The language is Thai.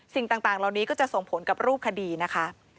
สิ่งต่างเหล่านี้ก็จะส่งผลกับรูปคดีนะคะ